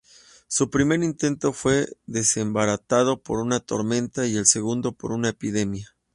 Su primer intento fue desbaratado por una tormenta y el segundo por una epidemia.